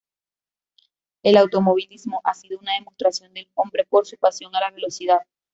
El automovilismo ha sido una demostración del hombre por su pasión a la velocidad.